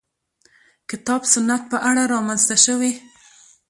کتاب سنت په اړه رامنځته شوې.